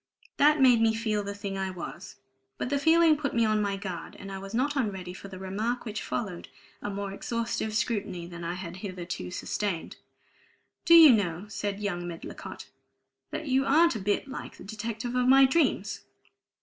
That made me feel the thing I was. But the feeling put me on my guard. And I was not unready for the remark which followed a more exhaustive scrutiny than I had hitherto sustained. "Do you know," said young Medlicott, "that you aren't a bit like the detective of my dreams?"